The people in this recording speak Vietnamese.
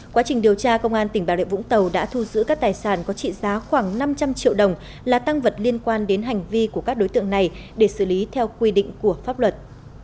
quá trình điều tra công an tỉnh bà rịa vũng tàu đã thu giữ các tài sản có trị giá khoảng năm trăm linh triệu đồng là tăng vật liên quan đến hành vi của các đối tượng này để xử lý theo quy định của pháp luật